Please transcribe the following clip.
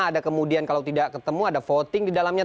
ada kemudian kalau tidak ketemu ada voting di dalamnya